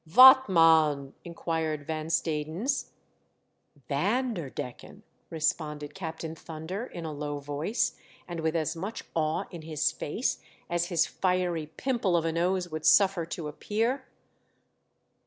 " Vot MAN ?" inquired Van Stadens. "Vanderdecken," responded Captain Thun der, in a low voice, and with as much awe in his face as his fiery pimple of a nose would suffer to appear.